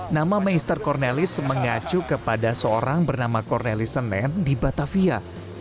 nama maister cornelis mengacu kepada seorang bernama cornelis senen di batavia